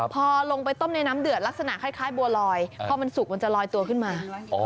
พอลงไปต้มในน้ำเดือดลักษณะคล้ายบัวลอยพอมันสุกมันจะลอยตัวขึ้นมา